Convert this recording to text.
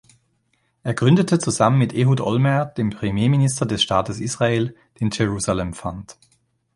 Er gründete zusammen mit Ehud Olmert, dem Premierminister des Staates Israel, den Jerusalem Fund.